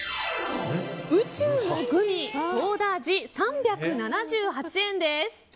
宇宙のグミソーダ味３７８円です。